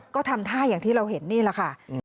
ก็ทำท่าอย่างที่เราเห็นนี่แหละค่ะ